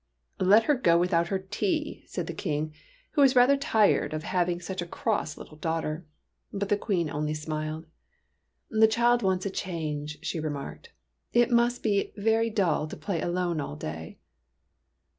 *' Let her go without her tea," said the King, who was rather tired of having such a cross little daughter. But the Queen only smiled. '' The child wants a change," she remarked. " It must be very dull to play alone all day."